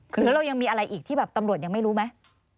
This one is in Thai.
หรือเรายังมีอะไรอีกที่แบบตำรวจยังไม่รู้ไหม